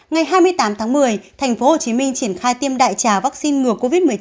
ngày hai mươi tám tháng một mươi tp hcm triển khai tiêm đại trà vaccine ngừa covid một mươi chín